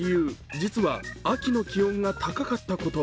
実は秋の気温が高かったこと。